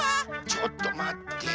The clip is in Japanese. ちょっとまって。